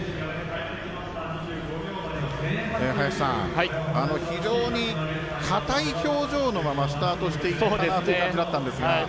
林さん、非常に硬い表情のままスタートしていったなという感じだったんですが。